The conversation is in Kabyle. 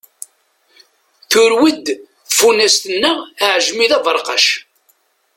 Turew-d tfunast-nneɣ aɛejmi d aberqac.